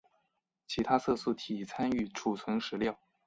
其他色素体参与储存食料。